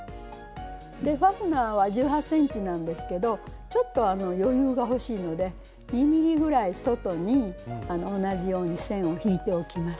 でファスナーは１８ｃｍなんですけどちょっと余裕がほしいので２ｍｍぐらい外に同じように線を引いておきます。